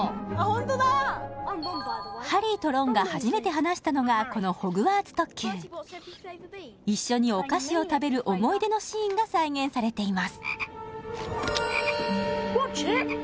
ホントだハリーとロンが初めて話したのがこのホグワーツ特急一緒にお菓子を食べる思い出のシーンが再現されています